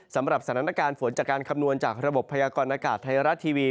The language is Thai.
สำหรับสถานการณ์ฝนจากการคำนวณจากระบบพยากรณากาศไทยรัฐทีวี